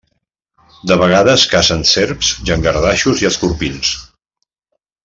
De vegades cacen serps, llangardaixos i escorpins.